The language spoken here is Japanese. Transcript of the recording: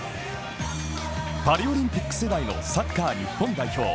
パリオリンピック世代のサッカー日本代表。